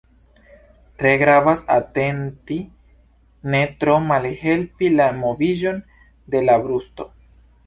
Tre gravas atenti ne tro malhelpi la moviĝon de la brusto.